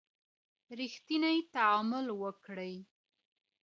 رښتینی تعامل وکړئ.